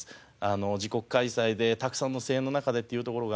自国開催でたくさんの声援の中でっていうところがある。